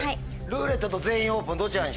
「ルーレット」と「全員オープン」